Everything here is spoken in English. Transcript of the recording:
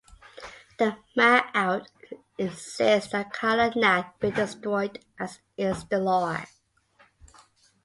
The mahout insists that Kala Nag be destroyed, as is the law.